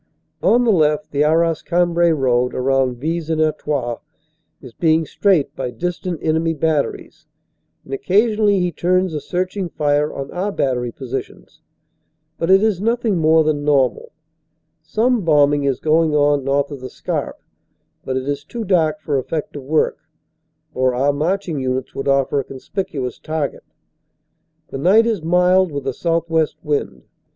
On the left the Arras Cambrai road around Vis en Artois is being straafed by distant enemy batteries, and occa sionally he turns a searching fire on our battery positions. But it is nothing more than normal. Some bombing is going on MARCHING UP TO BATTLE 213 north of the Scarpe, but it is too dark for effective work, or our marching units would offer a conspicuous target. The night is mild with a southwest wind.